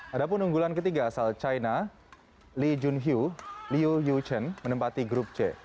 ada pun unggulan ketiga asal china li junhyu liu yuchen menempati grup c